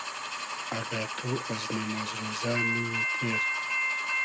اگۂ تو از نیماز رۉزۂ نی یی تېر